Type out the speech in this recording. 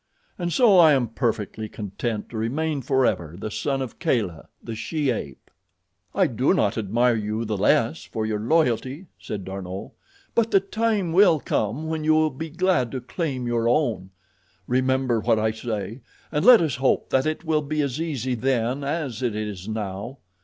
And so I am perfectly content to remain forever the son of Kala, the she ape." "I do not admire you the less for your loyalty," said D'Arnot, "but the time will come when you will be glad to claim your own. Remember what I say, and let us hope that it will be as easy then as it is now.